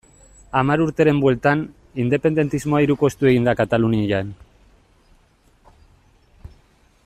Hamar urteren bueltan, independentismoa hirukoiztu egin da Katalunian.